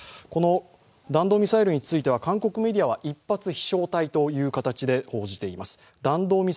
この弾道ミサイルについては韓国メディアは１発、飛翔体という形で報じています。